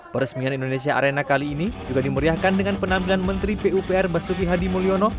peresmian indonesia arena kali ini juga dimeriahkan dengan penampilan menteri pupr basuki hadi mulyono